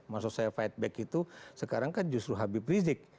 maksud saya fight back itu sekarang kan justru habib rizik